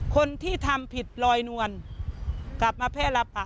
คนที่ทำผิดลอยนวลกลับมาแพร่รับอ่ะ